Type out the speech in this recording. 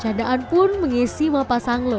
candaan pun mengisi mapa sang lo